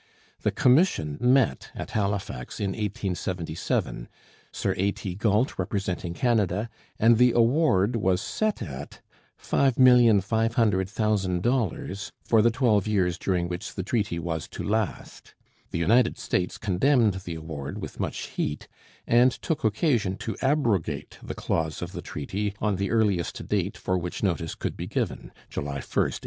The commission met at Halifax in 1877, Sir A. T. Galt representing Canada, and the award was set at $5,500,000 for the twelve years during which the treaty was to last. The United States condemned the award with much heat, and took occasion to abrogate the clause of the treaty on the earliest date for which notice could be given, July 1, 1885.